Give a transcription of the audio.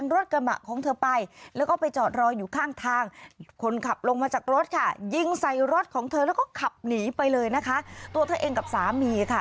รถของเธอแล้วก็ขับหนีไปเลยนะคะตัวเธอเองกับสามีค่ะ